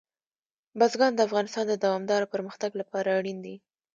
بزګان د افغانستان د دوامداره پرمختګ لپاره اړین دي.